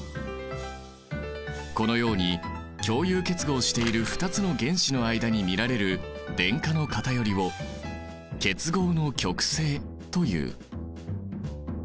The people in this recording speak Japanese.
このように共有結合している２つの原子の間に見られる電荷の偏りを結合の極性という。